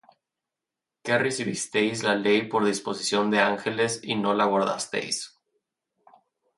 Que recibisteis la ley por disposición de ángeles, y no la guardasteis.